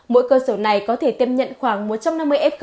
mỗi cơ sở này có thể tiếp nhận khoảng một trăm năm mươi f